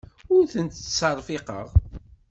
Ur ten-ttserfiqeɣ.